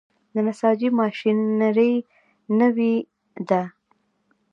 د نساجي ماشینري نوې ده؟